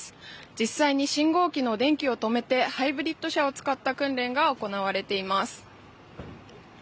実際に信号機の電気を止めてハイブリッド車を使った訓練が行われています。